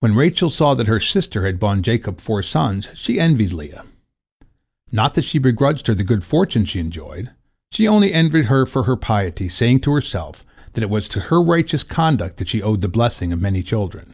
When Rachel saw that her sister had borne Jacob four sons, she envied Leah. Not that she begrudged her the good fortune she enjoyed, she only envied her for her piety, saying to herself that it was to her righteous conduct that she owed the blessing of many children.